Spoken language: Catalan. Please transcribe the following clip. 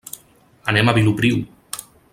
Anem a Vilopriu.